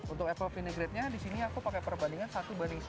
untuk apple vinaigrette nya disini aku pake perbandingan satu banding sepuluh